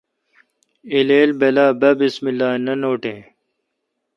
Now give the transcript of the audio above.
الیل بلا با بسم اللہ۔ نہ نوٹیں